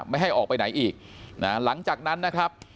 ไม่ให้ออกไปไหนอีกนะหลังจากนั้นนะครับ